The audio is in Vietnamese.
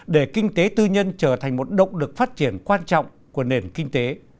để kinh tế tư nhân trở thành một động lực phát triển quan trọng của nền kinh tế